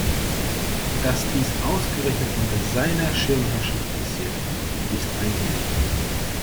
Dass dies ausgerechnet unter seiner Schirmherrschaft passiert, ist ein Unding!